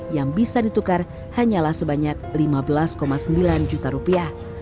yang bisa ditukar hanyalah sebanyak lima belas sembilan juta rupiah